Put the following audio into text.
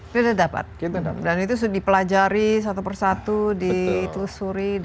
sudah dapat dan itu sudah dipelajari satu persatu ditelusuri